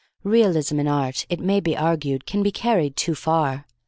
Realism in art, it may be argued, can be carried too far.